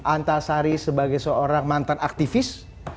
antasari sebagai seorang mantan aktivis